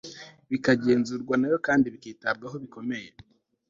bikagenzurwa na yo kandi bikitabwaho bikomeye